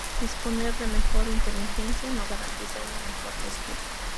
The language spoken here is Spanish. Disponer de mejor inteligencia no garantiza una mejor gestión.